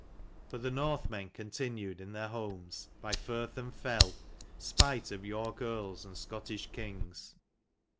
But the Northmen continued in their homes by firth and fell, spite of York earls and Scottish kings.